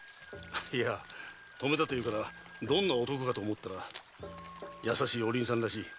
いや泊めたというからどんな男かと思ったら優しいお凛さんらしい。